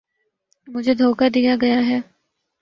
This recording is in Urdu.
مجھے دھوکا دیا گیا ہے